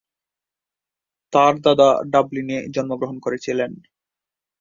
তার দাদা ডাবলিনে জন্মগ্রহণ করেছিলেন।